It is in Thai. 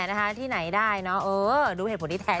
นะคะแหมที่ไหนได้เนอะดูเหตุผลที่แท้จริง